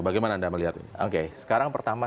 bagaimana anda melihatnya oke sekarang pertama